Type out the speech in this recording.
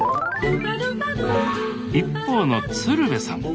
一方の鶴瓶さん